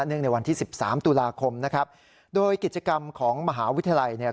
ในวันที่สิบสามตุลาคมนะครับโดยกิจกรรมของมหาวิทยาลัยเนี่ย